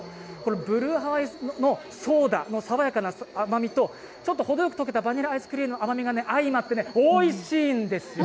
ブルーハワイのソーダの爽やかな甘みとほどよく溶けたバニラアイスクリームの甘みが相まっておいしいんですよ。